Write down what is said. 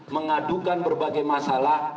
mengadukan berbagai masalah